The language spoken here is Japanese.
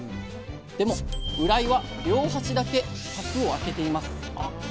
でもウライは両端だけ柵を開けています。